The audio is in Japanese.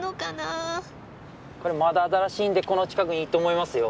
これまだ新しいんでこの近くにいると思いますよ。